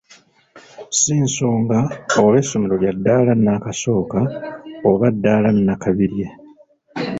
Si nsonga oba essomero lya ddaala nnakasooka oba ddaala nnakabirye.